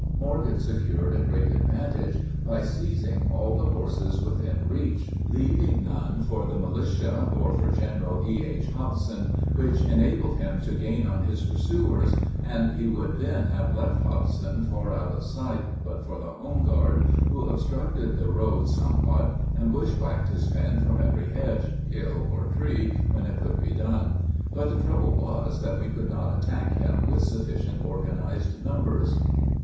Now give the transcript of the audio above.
Morgan secured a great advantage by seizing all the horses within reach, leaving none for the militia or for General E.H. Hobson, which enabled him to gain on his pursuers, and he would then have left Hobson far out of sight but for the home guard, who obstructed the roads somewhat, and bushwhacked his men from every hedge, hill, or tree, when it could be done. But the trouble was that we could not attack him with sufficient organized numbers.